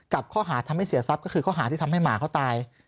กับข้อหาทำให้เสียทรัพย์ก็คือข้อหาที่ทำให้หมาเขาตาย